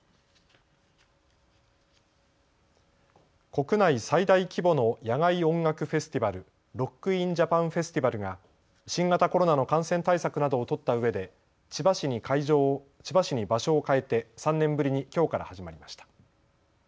国内最大規模の野外音楽フェスティバル、ロック・イン・ジャパン・フェスティバルが新型コロナの感染対策などを取ったうえで千葉市に場所を変えて３年ぶりにきょうから始まりました。